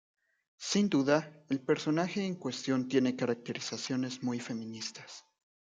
Sin duda, el personaje en cuestión tiene caracterizaciones muy feministas.